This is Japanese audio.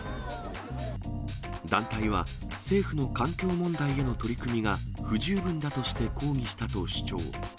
団体は、政府の環境問題への取り組みが不十分だとして抗議したと主張。